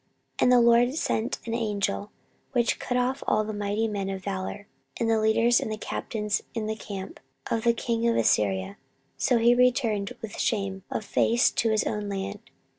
14:032:021 And the LORD sent an angel, which cut off all the mighty men of valour, and the leaders and captains in the camp of the king of Assyria. So he returned with shame of face to his own land.